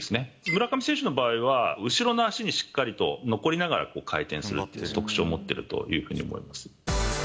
村上選手の場合は、後ろの足にしっかりと残りながら、回転するっていう特徴を持ってるというふうに思います。